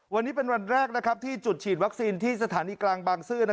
วันนี้เป็นวันแรกที่จุดฉีดวัคซีนที่สถานีกลางบางซื่อ